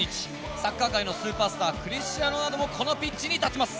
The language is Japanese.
サッカー界のスーパースター、クリスティアーノ・ロナウドもこのピッチに立ちます。